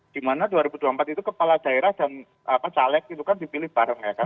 dimana dua ribu dua puluh empat itu kepala daerah dan caleg itu kan dipilih bareng ya kan